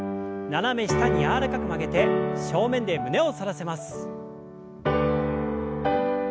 斜め下に柔らかく曲げて正面で胸を反らせます。